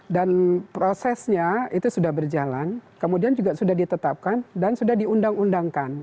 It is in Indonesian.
dan prosesnya itu sudah berjalan kemudian juga sudah ditetapkan dan sudah diundang undangkan